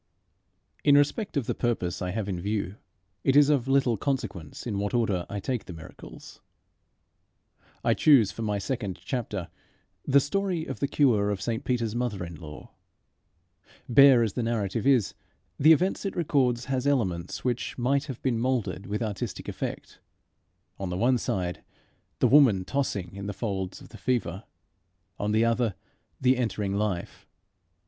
In respect of the purpose I have in view, it is of little consequence in what order I take the miracles. I choose for my second chapter the story of the cure of St Peter's mother in law. Bare as the narrative is, the event it records has elements which might have been moulded with artistic effect on the one side the woman tossing in the folds of the fever, on the other the entering Life.